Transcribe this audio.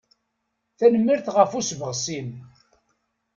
Tanemmirt ɣef usebɣes-im.